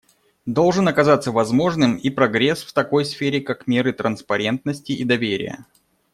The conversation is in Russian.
Должен оказаться возможным и прогресс в такой сфере, как меры транспарентности и доверия.